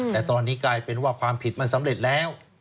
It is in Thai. แต่ตอนนี้กลายเป็นว่าความผิดมันสำเร็จแล้ว